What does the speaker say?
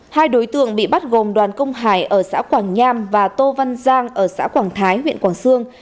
hai đối tượng bị bắt gồm đoàn công hải ở xã quảng nham và tô văn giang ở xã quảng thái huyện quảng sương